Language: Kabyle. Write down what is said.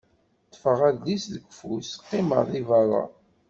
Ṭfeɣ adlis deg ufus, qqimeɣ deg berra.